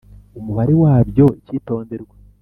Umubare wabyo Icyitonderwa